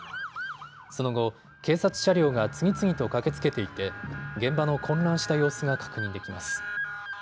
その後、警察車両が次々と駆けつけていて現場の混乱した様子が確認できます。